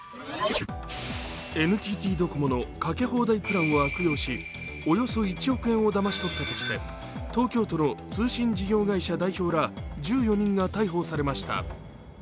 ＮＴＴドコモのかけ放題プランを悪用しおよそ１億円をだまし取ったとして東京都の通信事業会社代表ら１４人が逮捕されました。